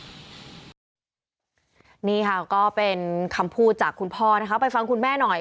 นี่ค่ะก็เป็นคำพูดจากคุณพ่อนะคะไปฟังคุณแม่หน่อย